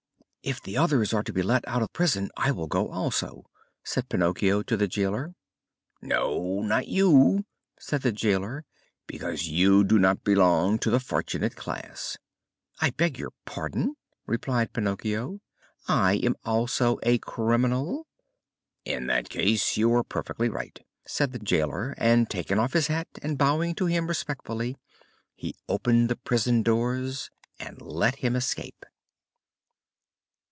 "If the others are to be let out of prison, I will go also," said Pinocchio to the jailor. "No, not you," said the jailor, "because you do not belong to the fortunate class." "I beg your pardon," replied Pinocchio, "I am also a criminal." "In that case you are perfectly right," said the jailor, and, taking off his hat and bowing to him respectfully, he opened the prison doors and let him escape.